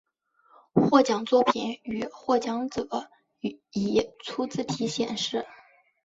获奖作品与获奖者以粗体字显示。